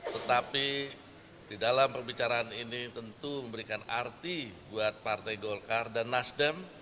tetapi di dalam pembicaraan ini tentu memberikan arti buat partai golkar dan nasdem